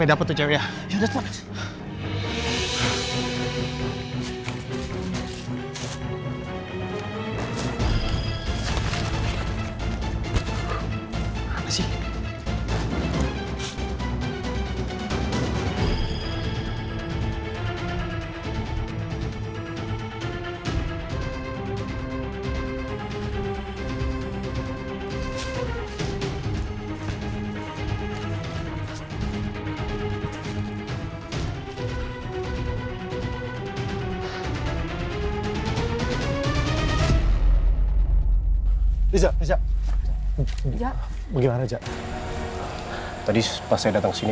tapi kenapa jadi kayak gini